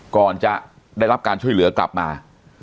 ก่อนจะได้รับการช่วยเหลือกลับมา